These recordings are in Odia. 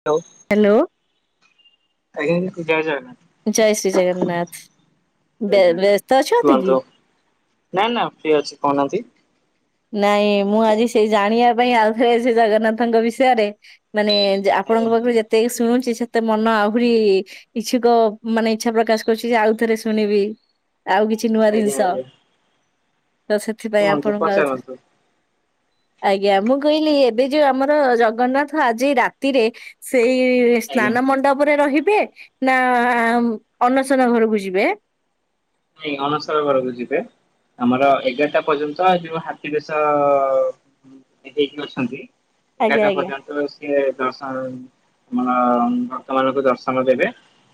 Hello hello! ଆଜ୍ଞା ଜୟ ଜଗନ୍ନାଥ ଜୟ ଶ୍ରୀ ଜଗନ୍ନାଥ। ଜୟ ଜଗନ୍ନାଥ। ବ୍ୟସ୍ତ ଅଛ ତ କୁହନ୍ତୁ କିି? ନା ନା ଫି ଅଛି କହୁନାହାନ୍ତି। ନାଇଁ ମୁଁ ଆଜି ସେଇ ଜାଣିବା ପାଇଁ ଆଲଗୀଛି ଜଗନ୍ନାଥଙ୍କ ବିଷୟରେ ମାନେ ଆଜ୍ଞା ଆପଣଙ୍କ ପାଖରେ ଯେତକି ଶୁଣୁ ସେତେ ମନ ଆହୁରି ଇଛୁକ ମାନେ ଇଚ୍ଛା ପ୍ରକାଶ କରୁଛି ଯେ ଆଉଥରେ ଶୁଣିବି। ଆଉ କିଛି ନୂଆ ଆଜ୍ଞା ଜିନିଷ ଆଜ୍ଞା ତ ସେଥିପାଇଁ ଆପଣଙ୍କାଉ ହ ହ। ଆଜ୍ଞା ମୁଁ କହିଲି ଏବେ ଯୋଉ ଆମର ଜଗନ୍ନାଥ ଆଜି ରାତିରେ ସେଇ ଆଜ୍ଞା ସ୍ନାନ ମଣ୍ଡପରେ ରହ ଯ ନା ଅନସନ ଘରକୁ ଯିବେ? ନାଇ ଅନସର ଘରକୁ ଯିବେ। ଆମର ଏଗାରଟା ପର୍ଯ୍ୟନ୍ତ ଯୋଉ ହାତୀ ବେଶ ହେଇକି ଅଛନ୍ତି। ଆଜ୍ଞା ଏଗାରଟା ଆଜ୍ଞା ପର୍ଯ୍ୟନ୍ତ ସିଏ ଦର୍ଶନ ଅ ଭକ୍ତମାନଙ୍କୁ ଦର୍ଶନ ଦେବେ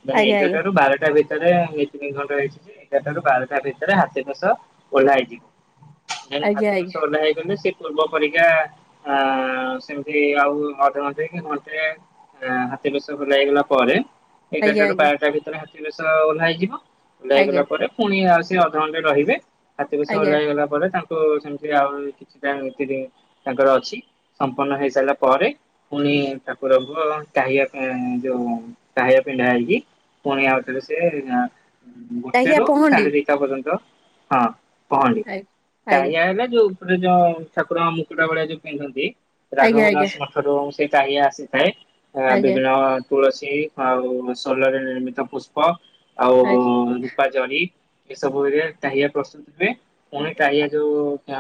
ମାନେ ଆଜ୍ଞା ଆଜ୍ଞା ଏଗାରଟା ରୁ ବାରଟା ଭିତ ତରେ ଏ ତିନି ଘଣ୍ଟା ହେଇଛି ଏଗାରଟା ରୁ ବାରଟା ଭିତରେ ହାତୀ ଘୋଷ ଓଲ୍ହା ହେଇଯିବ। ହେ ଆଜ୍ଞା ହାତୀ ବେଶ ଓହ୍ଲା ହେଇଗଲେ ସେ ପୂର୍ବ ପରୀକ୍ଷା ଆ ସେମିତି ଆଉ ଅଧଘଣ୍ଟେ କି ଘଣ୍ଟେ ଆ ହାତୀ ବେସ ଖୋଲା ହେଇ ଗଲାପରେ। ଆଜ୍ଞା ଆଜ୍ଞା ଏଗାରଟା ରୁ ଆଜ୍ଞା ବାରଟା ଭିତରେ ହାତୀବେଷ ଓହ୍ଲା ହେଇଯିବ ଆଜ୍ଞା। ଓହ୍ଲାହେଇଗଲା ପୁଣି ଆଉ ସେ ଅଧଘଣ୍ଟେ ରହିବେ ହାତୀ ବେସ ଆଜ୍ଞା ଓହ୍ଲାହେଇଗଲା ପରେ ତାଙ୍କ ଓ ସେମିତି ଆଉ କିଛିଟା ନୀତି ତାଙ୍କର ଅଛି ସମ୍ପୂର୍ଣ ହେଇସାରିଲା ପରେ ପୁଣି ଠାକୁର କୁଂ ଟାହିଆ ଯୋଉ ଟାହିଆ ପିନ୍ଧା ହେଇକି। ପୁଣି ଆଉଥରେ ସେ ଆଜ୍ଞା ରୂ ପହଣ୍ଡି ସାଢେ ଦିଟା ପର୍ଯ୍ୟନ୍ତ ହଁ ପହନ୍ଡି ଆ ଆଜ୍ଞା ଟାହିଆ ହେଲା ଯୋଉ ରେ ଯୋଉ ଠାକୁର ମୁକୁଟ ଭଳିଆ ଯୋଉ ପିନ୍ଧନ୍ତି ଆଜ୍ଞା ଆଜ୍ଞା [unintelligible] ଟାହିଆ ଆସିଥାଏ ଆ ଆଜ୍ଞା ବିଭିନ୍ନ ତୁଳସୀ ଆଉ ଶୋଲରେ ନିର୍ମିତ ପୁଷ୍ପ ଆଉ ଆଜ୍ଞା ଜରି ଏସବୁରେ ତାହିଆ ପ୍ରସ୍ତୁତ ହୁଏ ପୁଣି ତାହିଆ ଯୋଉ ଆ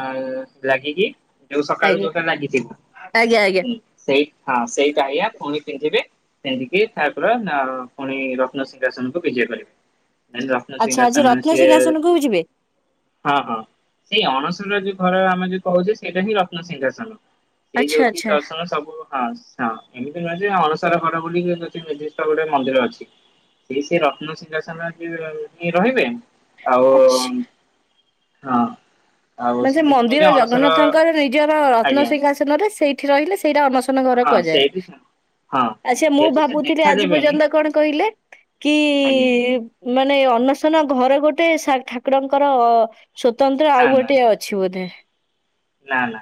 ଲାଗିକି ଯୋଉ ସକାଳୁ ଯୋଉଟା ଲାଗିଥିବ। ଆଜ୍ଞା ଆଜ୍ଞା ଆଜ୍ଞା। ହୁଁ ସେଇ ହଁ ସେଇ ଟାହିଆ ପୁଣି ପିନ୍ଧିବେ। ପିନ୍ଧିକି ଠାକୁର ଅ ପୁଣି ରତ୍ନସିିଂହାସନକୁ ବିଜେ କରିବେ। ଆଚ୍ଛା ଆଜି ସିଂହାସନ ସିଏ ରତ୍ନସିଂହାସନକୁ ଯିବେ? ହଁ ହଁ ସେଇ ଅଣ ସ [unintelligible] ଯୋଉ ଘର ଆମେ ଯୋଉ କହୁଛେ ସେଇଟା ହିଁ ରତ୍ନସିଂହାସନ ସେଇ ଆଚ୍ଛା ଯୋଉଠି ଆଚ୍ଛା ଦର୍ଶନ ସବୁ ହଁ ହଁ ଏମିତି ନୁହେଁ ଯେ ଅଣସର ଘର ବୋଲିକି ନିର୍ଦ୍ଦିଷ୍ଟ ଗୋଟେ ମନ୍ଦିର ଅଛି। ସେଇ ସେ ରତ୍ନ ସଂହାସନ ଯୋ ରହିବେ ଆଉ ଆଚ୍ଛା। ହଁ। ଆଉ ମାନେ ସେ ସେମିତି ନୁହେଁ ଯେ ମନ୍ଦିର ଅଣସର ଜଗନ୍ନାଥଙ୍କର ନିଜର ରତ୍ନ ଆଜ୍ଞା ଶିଂହାସନରେ ସେଇଠି ରହିଲେ ସେଇଟା ଅନଶନ ଘର ହଁ କୁହାଯାଏ। ସେଇଠି ଠା ଆଚ୍ଛା ମୁଁ ଭାବୁଥିଲି ଆଜି ପର୍ଯ୍ୟନ୍ତ କଣ କହିଲେ କି ଆଜ୍ଞା ମାନେ ଅନସନ ଘର ଗୋଟେ ଠାକୁରଙ୍କର ସ୍ଵତନ୍ତ୍ର ନା ଆଉ ଗୋଟେ ନା। ଟେ ଅଛି ବୋଧେ। ନା ନା।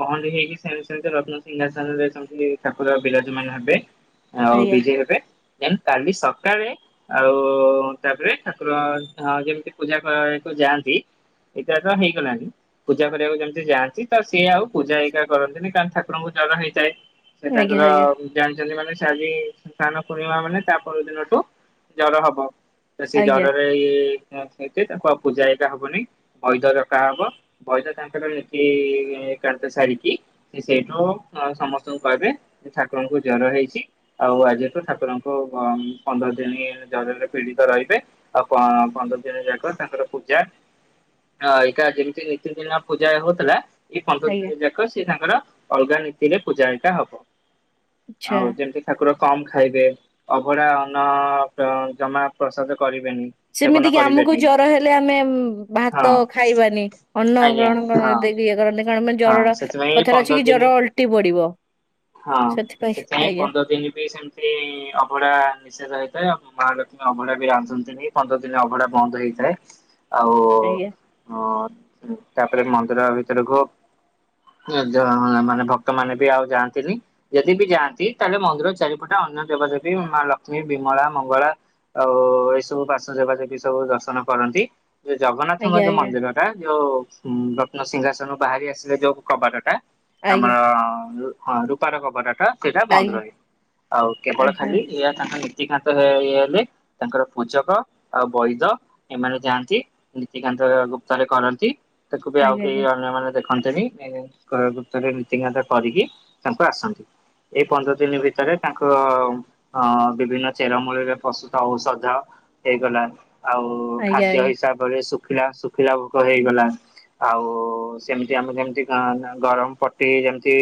କଣ ଟିକେ ହେଇକି ସେ ସେମତି ରତ୍ନସିଂହା ସନରେ ସେମିତି ଠାକୁର ବିରାଜମାନ ହେବେ। ଆଉ ଆଜ୍ଞା। ବିଜେ ହେବେ। ଦେନ୍ କାଲି ସକାଳେ ଆଉ ତାପରେ ଠାକୁର ଯେମିତି ପୂଜା କରା ଯାଆନ୍ତି ଏଇଟା ତ ହେଇଗଲାଣି ପୂଜା କରିବାକୁ ଯେମି ସେ ଯାଆନ୍ତି ତ ସିଏ ଆଉ ପୂଜା ହେଇକା କରନ୍ତିନି କାରଣ ଠାରଙ୍କୁ ଜର ହେଇଥାଏ। ସେ ଆଜ୍ଞା ତାଙ୍କର ଆଜ୍ଞା ଜାଣି ଯଦି ମାନେ ସେ ଆଜି ସ୍ନାନ ପୂର୍ଣିମା ମାନେ ତା ପର ଦିନଠୁ ଜର ହବ। ତ ସେଇ ଆଜ୍ଞା ଜରରେ ଏ [unintelligible] ତାଙ୍କୁ ଆଉ ପୂଜା ହେଇକା ହବନି ବୈଦ ଡକା ହବ ବୈଦ ତାଙ୍କର ନିତି ଏକାନ୍ତ ସାରିକି ସେ ସେଇଠୁ ସମସ୍ତଙ୍କୁ କହିବେ ଜେ ଠାକୁରଙ୍କୁ ଜର ହେଇଛି। ଆଉ ଆଜିଠୁ ଠାକୁରଙ୍କୁ ପନ୍ଦର ଦିନି ଜରରେ ପୀଡିତ ରହିବେ ଆଉ ପ ଅ ପନ୍ଦର ଜ ଯାକ ତାଙ୍କର ପୂଜା ହଁ ଏକା ଯେମିତି ନୀତି ଥିଲା ଏଇ ପନ୍ଦର୍ ଆଜ୍ଞା ଦିନ ଯାକ ସେ ତାଙ୍କର ଅଲଗା ନୀତିରେ ପୂଜାହାରିକା ହବ। ଆଚ୍ଛା। ଆଉ ଯେମିତି ଠାକୁ କମ ଖାଇବେ ଅଭଡ଼ା ଅନ୍ନ ଜମା ପ୍ରସାଦ କରି ସେମିତି କି ଆମକୁ ଜର ହେଲେ ଆମେ ହଁ ଭାତ ଖାଇବାନି ଅନ୍ନ ଆଜ୍ଞା ଗ୍ରହଣ କ ହଁ [unintelligible] କରନ୍ତି କାରଣ ମାନେ ହଁ ଜରର ସେଥିପାଇଁ ଏଇ କଥାର ପନ୍ଦର ଦିନ ହଁ ସେଥିପାଇଁ ପନ୍ଦର ଦିନ ବି ସେମିତି ଅବଢା ନିଷେଧ ହେଇଥାଏ ଅ ମହାଲକ୍ଷ୍ମୀ ଅଭଡା ବି ରାନ୍ଧନ୍ତିନି ପନ୍ଦର ଦିନ ଅଭଢା ବନ୍ଦ ହେଇଥାଏ ଆଉ ଆଜ୍ଞା। ହଁ ତାପରେ ମନ୍ଦିର ଭିତରକୁୁ ଜ ଅ ମାନେ ଭକ୍ତ ମାନେ ବି ଆଉ ଯାଆନ୍ତି ନ୍ତିନି ଯଦି ବି ଯାଆନ୍ତି ତାହେଲେ ମନ୍ଦିର ଚାରିପଟା ଅନ୍ୟ ଦେବା ଦେବୀ ମା ଲକ୍ଷ୍ମୀ, ବିମଳା, ମଙ୍ଗଳା ଆଉ ଏଇ ସବୁ ବାସ ଦେବା ଦେବି ସବୁ ଦର୍ଶନ କରନ୍ତି। ଯୋଉ ଜଗନ୍ନାଥଙ୍କ ଆଜ୍ଞା ଯୋଉ ମନ୍ଦିର ଟା ଯୋଉ ରତ୍ନସିିଂହାସନରୁ ବାହାରି ଆସିଲେ ଯୋଉ କବାଟ ଟା ଆଜ୍ଞା ଆମର ହଁ ରୂପାର କବାଟ ଟା। ସେଇଟା ଆଜ୍ଞା ବନ୍ଦ ଆଜ୍ଞା। ରହେ ଆଉ କେବଳ ଆଜ୍ଞା ଖାଲି ଏଇ ନୀତିକାନ୍ତ ରେ ୟେ ହେଲେ ତାଙ୍କର ପୂଜକ ଆଉ ବୈଦ ଏମାନେ ଯାଆନ୍ତି ନୀତିକାନ୍ତ ଗୁପ୍ତରେ କରନ୍ତି। ତାକୁ ବି ଆଉ ଆଜ୍ଞା କେହି ଆଜ୍ଞା ଅନ୍ୟ ମାନେ ଦେଖନ୍ତିନି ଗୁପ୍ତରେ ନୀତିକାତା କରିକି ତାଙ୍କୁ ଆସନ୍ତି। ଏଇ ପନ୍ଦର ଦିନି ଭିତରେ ତାଙ୍କ ଅ ବିଭିନ୍ନ ଚେର ମୂଳିରେ ପସ୍ତୁତ ଔଷଧ ହେଇଗଲା ଆଉ ଆଜ୍ଞା ଖାଦ୍ୟ ଆଜ୍ଞା ହିସାବରେ ଶୁଖିଲା ଶୁଖିଲା ଭୋକ ହେଇଗଲା। ଆଉ ସେମିତି ଆମେ ଯେମିତି କା ଗରମ ପଟି ଯେମିତି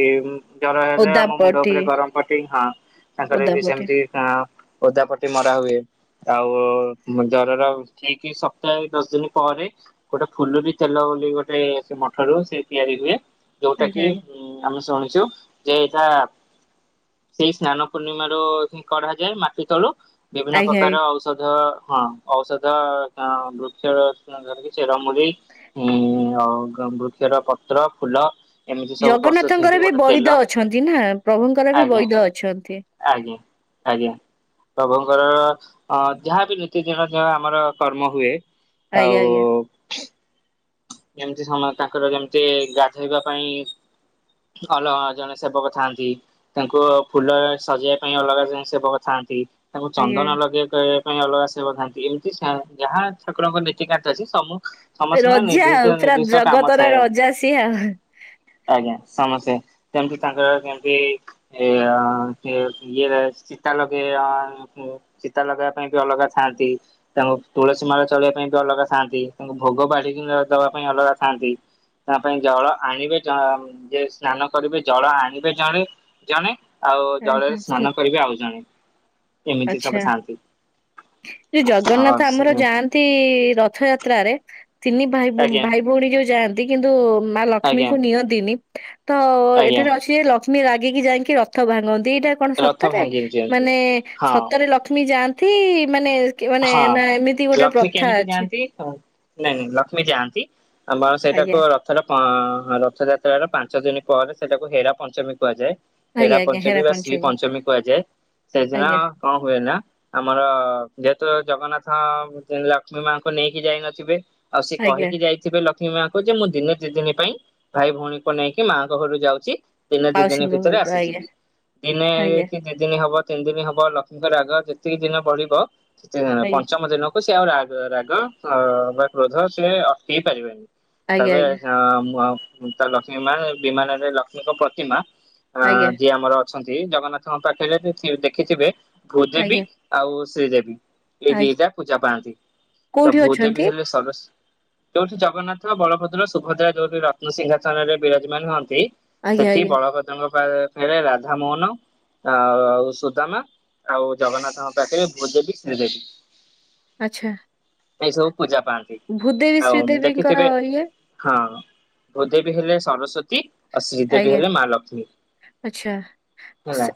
ଜର ହେଲେ ଆମ ମୁଣ୍ଡ ଓଦାପଟି ଉପରେ ଗରମ ପଟି ହଁ ତାଙ୍କର ବି ଓଦାପଟି ସେମିତି ଆଁ ଓଦା ପଟି ମରା ହୁଏ। ଆଉ ଜରର ଠିକ ସପ୍ତାହେ ଦଶ ଦିନ ପରେ ଗୋଟେ ଫୁଲୁରି ତେଲ ଗୋଟେ ସେ ମଠରୁ ସେ ତିଆରି ହୁଏ ଯୋଉଟା ଆଜ୍ଞା କି ଆଜ୍ଞା। ଆମେ ଶୁଣିଚୁ ଯେ ଏଇଟା ସେଇ ସ୍ନାନ ପୂର୍ଣ୍ଣିମାର ହିଁ କଢାଯାଏ ମାଟି ତଳୁ ବିଭିନ୍ନ ଆଜ୍ଞା ପ୍ରକାର ଆଜ୍ଞା ଔଷଧ ହଁ ଔଷଧ ଅ ବୃକ୍ଷ ର ଚେରମୂଳି ଉଁ ଆଉ ବୃକ୍ଷର ପତ୍ର, ଫୁଲ ଏମିତି ସବୁ ପ୍ରସ୍ତୁତ ଜଗନ୍ନାଥଙ୍କର ହେଇକି ବି ତେଲ ବୈଦ ଅଛନ୍ତି ନା ପ୍ରଭୁଙ୍କର ବି ଆଜ୍ଞା ବୈଦ ଅଛନ୍ତି। ଆଜ୍ଞା ଆଜ୍ଞା। ପ୍ରଭୁଙ୍କର ଅ ଯାହାବି ନିତି ଦିନ ଯ ଆମର କର୍ମ ହୁଏ ଆଜ୍ଞା ଆଉ ଆଜ୍ଞା ଯେମିତି ସମାନ ତାଙ୍କର ଯେମିତି ଗାଧେଇବା ପାଇଁ ଅଲଗା ଜଣେ ସେବକ ଥାଆନ୍ତି ତାଙ୍କୁ ଫୁଲ ସଜେଇବା ପାଇଁ ଅଲଗା ଜଣେ ସେବକ ଥାଆନ୍ତି। ତାଙ୍କୁ ଆଜ୍ଞା ଚନ୍ଦନ ଲଗେଇବା ପାଇଁ ଅଲଗା ସେବଥାନ୍ତି ଏମିତି ଯାହା ଠାକୁରଙ୍କ ନୀତି କାର୍ଯ୍ୟ ଅଛି ସବୁ ସମସ୍ତଙ୍କର ରଜା ଆଉ ନିଦ୍ଧିଷ୍ଟ ପୁରା ନିର୍ଦ୍ଧିଷ୍ଟ କାମ ଜଗତର ଥାଏ ଆଉ ରଜା ସିଏ ଆଉ। ଆଜ୍ଞା ସମସ୍ତେ ଯେମିତି ତାଙ୍କର ଯେମିତି ସେ ଇଏ ଚିତା ଲଗେଇବା ଚିତା ଲଗେଇବା ପାଇଁ ବି ଅଲଗା ଥାଆନ୍ତି ତାଙ୍କୁ ତୁଳସୀ ମାଳ ଚଳେଇବା ପାଇଁ ବି ଅଲଗା ଥାଆନ୍ତି ତାଙ୍କୁ ଭୋଗ ବାଢି ର ଦବା ପାଇଁ ଅଲଗା ଥାଆନ୍ତି। ତା ପାଇଁ ଜଳ ଆଣିବେ ଜ ଯେ ସ୍ନାନ କରିବେ ଜଳ ଆଣିବେ ଜଣେ ଜଣେ ଆଉ ଜଳରେ ସ୍ନାନ କରିବେ ଆଉ ଜଣେ ଏମିତି ସବୁ ଥାଆନ୍ତି। ଯଉ ଅ ଜଗନ୍ନାଥ ଆମର ଯାଆନ୍ତି ରଥ ଯାତ୍ରାରେ ତିନି ଆଜ୍ଞା ଭାଇ-ଭାଇ ଭଉଣୀ ଯୋଉ ଯାଆନ୍ତି କିନ୍ତୁ ମା ଆଜ୍ଞା ଲକ୍ଷ୍ମୀଙ୍କୁ ନିଅନ୍ତିନି ତ ଆଜ୍ଞା ଏଠାରେ ଅଛି ଲକ୍ଷ୍ମୀ ରାଗିକି ଯାଇକି ରଥ ଭାଙ୍ଗ ଟା କଣ ରଥ ସତରେ ଭାଙ୍ଗି ଦିଅନ୍ତି। ମାନେ ହଁ ସତରେ ଲକ୍ଷ୍ମୀ ଯାଆନ୍ତି ମାନେ ମାନେ ହଁ ନା ଏମିତି ଗୋଟେ ଲକ୍ଷ୍ମୀ ପ୍ରଥା କେମିତି ଅଛି? ଯାଆନ୍ତି ନାଇଁ ନାଇଁ ଲକ୍ଷ୍ମୀ ଯାଆନ୍ତି ଆମର ସେଇଟାକୁ ଆଜ୍ଞା ଅ ରଥଯାତ୍ରାର ପାଞ୍ଚ ଦିନ ପରେ ସେଟାକୁ ହେରା ପଞ୍ଚମୀ କୁହାଯାଏ। ହେରା ପଞ୍ଚମୀ ବା ଶ୍ରୀ ପଞ୍ଚମୀ କୁହାଯାଏ। ସେଦିନ ଆଜ୍ଞା କଣ ହୁଏ ନା ଆମର ଜଗନ୍ନାଥ ଲକ୍ଷ୍ମୀ ମାଙ୍କୁ ନେଇକି ଯାଇନଥିବେ ଆଉ ସିଏ ଆଜ୍ଞା କହିକି ଯାଇଥିବେ ଲକ୍ଷ୍ମୀମା ଙ୍କୁ ଯେ ମୁଁ ଦିନେ ଦି ଦିନ ପାଇଁ ଭାଇ ଭଉଣୀ ଙ୍କୁ ନେଇକି ମାଆଙ୍କ ଘରୁ ଯାଉଛି ଦିନେ ଦି ଦିନ ମାଉସୀଙ୍କ ଭିତରେ ଘରକୁ ଆଜ୍ଞା। ଆସିଯିବି ଦିନେ ଆଜ୍ଞା କି ଦି ଦିନ ହବ ତିନି ଦିନ ହବ ଲକ୍ଷ୍ମୀଙ୍କର ରାଗ ଯେତିକି ଦିନ ବଢିବ ପଞ୍ଚମ ଦିନ ସେ ଆଉ ରାଂ ରାଗ ଅ ବା କ୍ରୋଧ ସେ ଅଟକେଇ ପାରିବେନି। ଆଜ୍ଞା ତେବେ ଆଜ୍ଞା ତା ଲକ୍ଷ୍ମୀ ବିମାନରେ ଲକ୍ଷ୍ମୀଙ୍କ ପ୍ରତିମା ଅ ଆଜ୍ଞା ଯିଏ ଆମର ଅଛନ୍ତି ଜଗନ୍ନାଥଙ୍କ ପାଖରେ ତ ସିଏ ଦେଖିଥିବେ ଆଜ୍ଞା ଭୂଦେବୀ ଆଜ୍ଞା ଆଉ ଶ୍ରୀଦେବୀ। ଏଇ ଆଜ୍ଞା ଦିଇଟା ପୂଜା ପାନ୍ତି ତ କୋଉଠି ଭୂଦେବୀ ଅଛନ୍ତି? ହେଲେ ସରସ୍ ଯୋଉଠି ଜଗନ୍ନାଥ ବଳଭଦ୍ର ସୁଭଦ୍ରା ଯୋଉଠି ରତ୍ନସିଂହାସନ ରେ ବିରାଜମାନ ହଅନ୍ତି ଆଜ୍ଞା ସେଠି ଆଜ୍ଞା ବଳଭ୍ରଦଙ୍କ ପାଖରେ ରାଧ ମୋହନ ଆଉ ଆଉ ସୁଦାମା ଆଉ ଜଗନ୍ନାଥଙ୍କ ପାଖରେ ଭୂ ଦେେବୀ ଶ୍ରୀଦେବୀ। ଆଚ୍ଛା। ଏଇ ସବୁ ପୂଜା ପାଆନ୍ତି ଭୂଦେବୀ ଆଉ ଶ୍ରୀଦେବୀଙ୍କର ଦେଖିଥିବେ ଇଏ ହଁ, ଭୂଦେବୀ ହେଲେ ସରସ୍ଵତୀ ଆଉ ଶ୍ରୀଦେବୀ ଆଜ୍ଞା ହେଲେ ମାହା ଲକ୍ଷ୍ମୀ। ଆଚ୍ଛା। ହେଲା।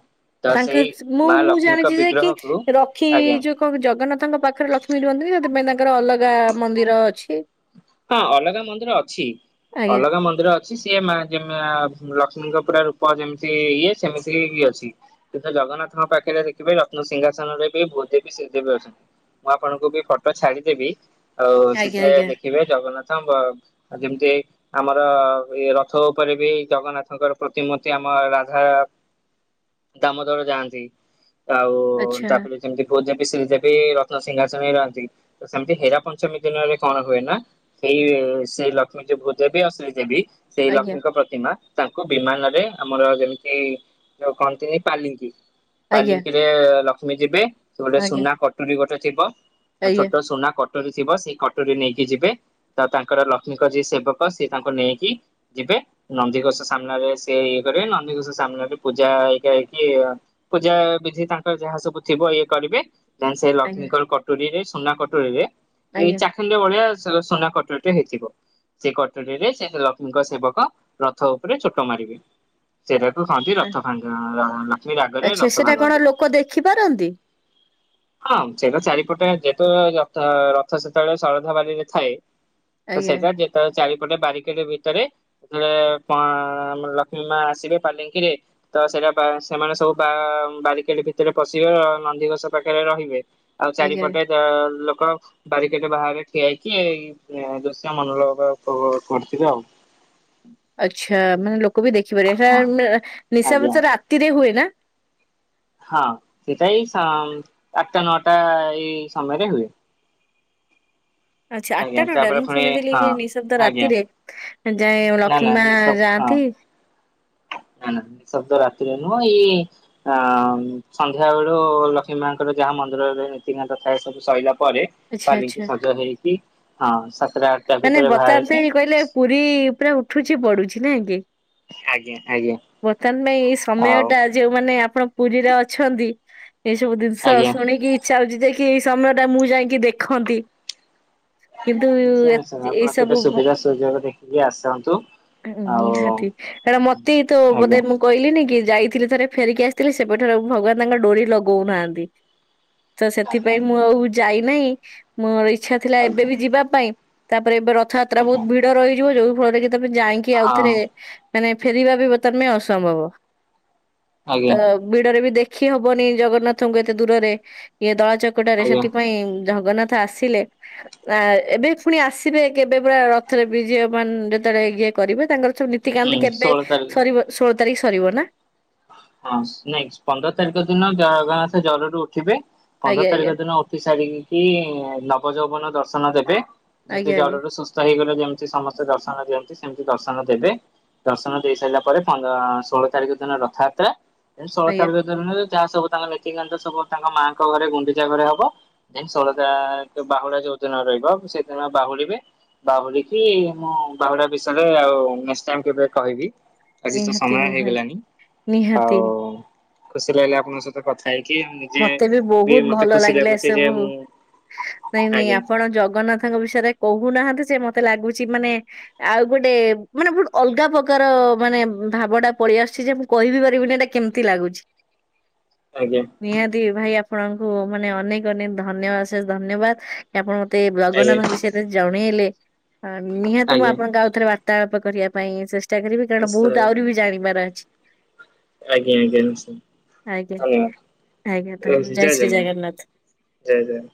ତ ସେଇ ତାଙ୍କ ମୁଁ ମା ମୁଁ ଲକ୍ଷ୍ମୀଙ୍କ ଜାଣିଛି ଯେ କି ବିଗ୍ରହକୁ ରଖି ଆଜ୍ଞା ଯୋଉ କଣ ଜଗନ୍ନାଥଙ୍କ ପାଖରେ ଲକ୍ଷ୍ମୀ ରିଅନ୍ତି କି ସେଥିପାଇ ତାଙ୍କର ଅଲଗା ମନ୍ଦିର ଅଛି। ହଁ ଅଲଗା ମନ୍ଦିର ଅଛି ଆଜ୍ଞା ଅଲଗା ମନ୍ଦିର ଅଛି। ଅ ସିଏ ମା ଲକ୍ଷ୍ମୀଙ୍କ ପୁରା ରୂପ ଯେମିତି ଇଏ ସେମିତି ବି ଅଛି କିନ୍ତ ଜଗନ୍ନାଥଙ୍କ ପାଖରେ ଦେଖିବେ ରତ୍ନସିଂହାସନରେ ବି ଭୂଦେବୀ ଶ୍ରୀଦେବୀ ଅଛନ୍ତି। ମୁଁ ଆପଣଙ୍କୁ ବି ଫଟୋ ଛାଡିଦେବି ଆଉ ଆଜ୍ଞା ଆଜ୍ଞା ସେଥିରେ। ଦେଖିବେ ଜଗନ୍ନାଥ ଯେମିତି ଆମର ଏ ରଥ ଉପରେ ବି ଜଗନ୍ନାଥଙ୍କର ପ୍ରତିମ ଆମ ରାଧା ଦାମୋଦର ଯାଆନ୍ତି। ଆଉ ଆଚ୍ଛା ତାପରେ ଯେମିତି ଭହୁତ ଯି ସେ ଯ ବି ରତ୍ନସିିଂହାସନ ହେଇ ରହନ୍ତି ତ ସେମିତି ହରା ପଞ୍ଚମୀ ଦିନରେ କଣ ହୁଏ ନା। ସେଇ ସେଇ ଲକ୍ଷ୍ମୀ ଯୋ ଭୁ ଦେବି ଆଉ ସେ୍ରୀ ଦେବି ସେଇ ଆଜ୍ଞା ଲକ୍ଷ୍ମୀଙ୍କ ପ୍ରତିମା। ତାଙ୍କୁ ବିମାନରେ ଆମର ଯେମିତି ଯଉ କହନ୍ତିନି ପାଲିଙ୍ଗି। ଆଜ୍ଞା ତାଲିଙ୍କିରେ ଲକ୍ଷ୍ମୀ ଯିବେ ସେଟେ ଆଜ୍ଞା ସୁନା କଟୁରୀ ଗୋଟେ ଥିବ। ଆଜ୍ଞା ଛୋଟ ସୁନା କଟୋରୀ ଥିବ ସେଇ କଟୋରୀ ନେଇକି ଯିବେ। ତ ତାଙ୍କର ଲକ୍ଷ୍ମୀଙ୍କ ଯିଏ ସେବକ ସେିଏ ତାଙ୍କୁ ନେଇକି ଯିବେ ନନ୍ଦିଘୋଷ ସାମ୍ନାରେ ସେ ଇଏ କରିବ ନନ୍ଦୀ ଘଷ ସାମ୍ନାରେ ପୂଜା ହେଇା ହେଇକି ପୂଜା ବିଧି ତାଙ୍କର ଯାହା ସବୁ ଥିବ। କରିବେ ସେ ଆଜ୍ଞା ଲକ୍ଷ୍ମୀଙ୍କର କଟୁରୀରେ ସୁନା କଟୁରୀରେ ଏଇ ଆଜ୍ଞା। ଚାଖରେ ବଢିଆ। ସନା କଟର ହେଇଥିବ। ସେ କଟରୀରେ ସେ ଲକ୍ଷ୍ମୀଙ୍କ ସେବକ ରଥ ଉପରେ ଛୋଟ ମାରିବେ ଚେରାକୁ ଖାଆନ୍ତି ଆ ରଥ ଫା ଲକ୍ଷ୍ମୀ ରାଗରେ ଆଚ୍ଛା ରଥ ସେଟା କଣ ଭାଙ୍ଗନ୍ତି। ଲୋକ ଦେଖିପାରନ୍ତି? ହଁ ସେଟା ଚାରିପଟେ ଯେ ର ରଥ ସେତେବେଳେ ଶରଧା ବାାରରେ ଥାଏ ତ ଆଜ୍ଞା ସେଇଟା ଯେତେବେଳେ ଚାରି ଗୋଟେ ବାରିକେଟେ ଭିତରେ ଯେତେବେଳେ ପଁ ଆମର ଲକ୍ଷ୍ମୀ ମା ଆସିବେ ପାଲିଙ୍କିରେ ତ ସେ ସେମାନେ ସବୁ ବା ବାରିକେଡ ଭିତରେ ପଶିବେ ନନ୍ଦିଘୋଷ ପାଖରେ ରହିବେ। ଆଉ ଆଜ୍ଞା ଚାରିପଟେ ଲୋକ ବାରିକେଟେ ବାହାରେ ଠିଆ ହେଇ କି ଇଁ ଦ୍ରୁଶ୍ୟ ମନଲଭ କରିଥିବ ଆଉ ଆଚ୍ଛା ମାନେ ଲୋକ ବି ଦେଖିପାରିବେ ହଁ ହେରା ମା- ନିଶା ଆଜ୍ଞା ତ ରାତିରେ ହୁଏ ନା। [inaudible] ହଁ ସେଟା ଏ ଆଠଟା ନଅଟା ଏଇ ସମୟରେ ହୁଏ। ଆଚ୍ଛା ଆଠଟା ଆଜ୍ଞା ନଅଟାରେ ତାପରେ ମୁଁ ପୁଣି ଶୁଣିଥିଲି ହଁ କି ନିଃଶବ୍ଦ ଆଜ୍ଞା। ରାତିରେ ଯାଏ ନା ଲକ୍ଷ୍ମୀ ନା ମା ନି ସବ ହଁ ଯାଆନ୍ତି ନା ନା ସବ ଦ ରାତି ତିରେ ନୁହଁ ଏଇ ଅ ସନ୍ଧ୍ୟା ବେଳୁ ଲକ୍ଷ୍ମୀ ମାଙ୍କର ଯାହା ମନ୍ଦିରରେ ନୀତିକାନ୍ତ। ସବୁ ସରିଲା ପରେ ଆଚ୍ଛା ପାଲିଙ୍କି ଆଚ୍ଛା। ସଜ ହେଇକି ହଁ ସ ମାନେ ବଚାର ସେ କହିଲେ ପୁରୀ ପୁରା ଉଠୁଛି ପଡୁଛି ନା କି? ଆଜ୍ଞା ଆଜ୍ଞା ବର୍ତ୍ତମାନ ପାଇଁ ଏ ସମୟ ଆଉ ଟା ଯଉମାନେ ଆପ ଆପଣ ପୁରୀରେ ଅଛନ୍ତି ଏ ସବୁ ଜିନିଷ ଆଜ୍ଞା ଶୁଣିକି ଇଚ୍ଛା ହଉଛି ଯାଇକି କି ସମୟ ଟା ମୁଁ ଯାଇକି ଦେଖନ୍ତି କିନ୍ତୁ ନିଶ୍ଚୟ ଏଇ ଆପଣ ସବୁ କେବେେ ସୁବିଧା ସୁଯୋଗ ଦେଖିକି ଆସନ୍ତୁ। ଉ ଆଉ ନିହାତି କାରଣ ମତେ ତ ବୋଧେ ଆଜ୍ଞା ମୁଁ କହିଲିିନି କି ଯାଇଥିଲଥିଲେ ଥରେ ଫେରିକି ଆସିଥିଲି ସେପଠରେ ଭଗବାନ ତାଙ୍କ ଡୋରି ଲଗଉନାହାନ୍ତି। ତ ସେଥିପାଇଁ ଆଜ୍ଞା ମୁଁ ଆଉ ଯାଇନାହିଁ ମୋର ଇଚ୍ଛା ଥିଲା ଏବେ ଆଜ୍ଞା ବି ଯିବା ପାଇଁ ତାପରେ ଏବେ ରଥଯାତ୍ରା ବହୁତ ଆଜ୍ଞା ଭିଡ ରହିଯିବ ଯୋଉ ଫଳରେ କି ତମେ ଯାଇକି ହଁ ଆଉଥରେ ମାନେ ଫେରିବା ବି ବର୍ତ୍ତମାନ ପାଇଁ ଅସମ୍ଭବ ତ ଆଜ୍ଞା ଭିଡରେ ବି ଦେଖ ଦେଖି ହବନି ଜଗନ୍ନାଥଙ୍କୁ ଏତେ ଦୂରରେ ଇଏ ଦଳା ଚକଟ ରେ ଆଜ୍ଞା ସେଥିପାଇଁ ଜଗନ୍ନାଥ ଆସିଲେ ଆ ଏବେ ପୁଣି ଆସିବେ କେବେ ପୁରା ରଥରେ ବିଜଅ ମାନ ଯେତେବେଳେ ଇଏ କରିବେ ତାଙ୍କର ନୀତିକାନ୍ତି ହୁଁ କେବେ ଷୋହଳ ତାରିଖ ସରିବ ଷୋହଳ ତାରିଖ ସରିବ ନା? ହଁ ନାଇଁ ପନ୍ଦର ତାରିଖ ଦିନ ଜଗନ୍ନାଥ ଜରୁର୍ ଉଠିବେ। ପନ୍ଦର ଆଜ୍ଞା ତାରିଖ ଆଜ୍ଞା ଦିନ ଉଠି ସାରିକି ନବ ଯୌବନ ଦର୍ଶନ ଦେବେ। ଯେତେ ଆଜ୍ଞା ଆଜ୍ଞା ଜ୍ୱରରୁ ସୁସ୍ଥ ହେଇଗଲେ ଯେମିତି ସମସ୍ତେ ଦର୍ଶନ ଦିଅନ୍ତି ସେମିତି ଦର୍ଶନ ଦେବେ। ଦର୍ଶନ ଦେଇ ସାରିଲା ପରେ ଷୋହଳ ତାରିଖ ଦିନ ରଥଯାତ୍ରା ଷୋହଳ ଆଜ୍ଞା ତାରିଖ ଦିନରେ ଯାହା ସବୁ ତାଙ୍କ ନିତିକାନ୍ତ ସବୁ ତାଙ୍କ ମାଆଙ୍କ ଘରେ ଗୁଣ୍ଡିଚା ଘରେ ହବ ଦେନ୍ ଷୋଳ ବାହୁଡା ଯୋଉ। ଯୋଉ ଦିନ ରହିବ ସେଦିନ ବାହୁଡିବେ। ବାହୁଡିକି ମୁଁ ବାହୁଡା ବିଷୟରେ ଆଉ ନିଶ୍ଚୟ କେବେ କହିବି। ଆଜି ତ ନିହାତି ସମୟରେ ନିହାତି ହେଇଗଲାଣିି ନିହାତି ଖୁସି ଲାଗିଲା ଆପଣଙ୍କ ସହିତ କଥା ହେଇକି ନିଜେ ମତେ ବି ବହୁତ ଏମିତି ଭଲ ଖୁସି ଲାଗିଲା ଲାଗୁଛି ଯେ ଏସବୁ ମୁଁ ନାଇଁ ନାଇଁ ଆଜ୍ଞା ଆପଣ ଜଗନ୍ନାଥଙ୍କ ବିଷୟରେ କହୁନାହାନ୍ତି ମତେ ଲାଗୁଛି ମାନେ ଆଉ ଗୋଟେ ମାନେ ବହୁତ ଅଲଗା ପ୍ରକାର ମାନେ ଭାବଟା ପଳେଇ ଆସିଛି ଯେ ମୁଁ କହିହିବି ପାରିବିନି ଏଇଟା କେମିତି ଲାଗୁଛି । ଆଜ୍ଞା। ନିହାତି ଭାଇ ଆପଣଙ୍କୁ ମାନେ ଅନେକ ଅନେକ ଧନ୍ୟବାଦ ଆଶେଷ ଧନ୍ୟବାଦ ଆପଣ ମୋତେ ଆଜ୍ଞା ଜଗନ୍ନାଥଙ୍କ ବିଷୟତେ ଜଣେଇଲେ ନିହାତି ମୁଁ ଆଜ୍ଞା ଆପଣଙ୍କ ଆଉ ଥରେ ବା ବତ୍ତାଳାପ କରିବା ପାଇଁ ଚେଷ୍ଟା କରିବି କାରଣ ନିଶ୍ଚୟ ବହୁତ ଆହୁରି ବି ଜାଣିବାର ଅଛି ଆଜ୍ଞା ଆଜ୍ଞା ନିଶ୍ଚିତ ଆଜ୍ଞା। ଆଜ୍ଞା ତା- ରହୁଛି ଜୟ ଶ୍ରୀ ଜଗନ୍ନାଥ। ଜଗନାଥ ଜୟ ଜୟ।